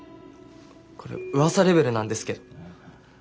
これうわさレベルなんですけど。